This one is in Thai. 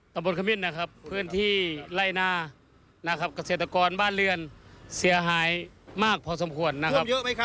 ตะบนขมิ้นนะครับพื้นที่ไล่นานะครับเกษตรกรบ้านเรือนเสียหายมากพอสมควรนะครับ